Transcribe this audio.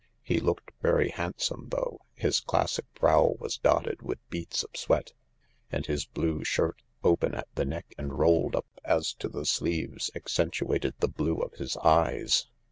He looked very handsome though ; his classic brow was dotted with beads of sweat, and his blue shirt, open at the neck and rolled up as to the sleeves, accen tuated the blue of his eyes.